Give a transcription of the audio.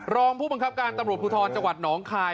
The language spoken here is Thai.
รองผู้บังคับการตำรวจภูทรจังหวัดหนองคาย